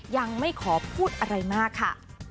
ยังไม่ขอพูดอะไรมากค่ะ